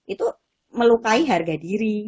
itu melukai harga diri